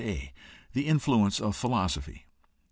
a) The influence of philosophy.